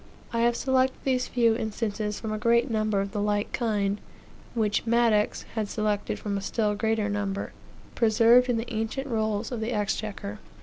I have selected these few instances from a great number of the like kind, which Madox had selected from a still greater number, preserved in the ancient rolls of the exchequer.